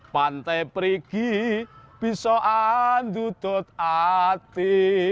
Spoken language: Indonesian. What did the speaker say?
pantai perigi wiso an dudot ati